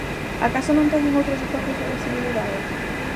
Acaso non teñen outros espazos de visibilidade?